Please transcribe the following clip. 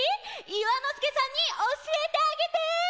いわのすけさんにおしえてあげて！